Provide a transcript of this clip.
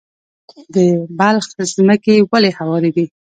د بلخ ځمکې ولې هوارې دي؟